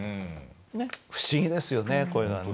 不思議ですよねこういうのはね。